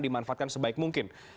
dimanfaatkan sebaik mungkin